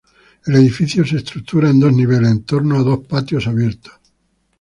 El edificio se estructura en dos niveles, en torno a dos patios abiertos.